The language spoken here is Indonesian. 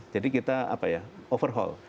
jadi kita overhaul